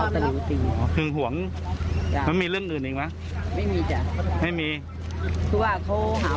หึงหวงจ้ะแล้วมีเรื่องอื่นอีกไหมไม่มีจ้ะไม่มีคือว่าเขาหา